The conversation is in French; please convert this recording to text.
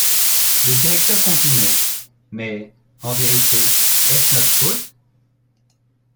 Le directeur continuait: — Mais, en vérité, est-ce notre faute?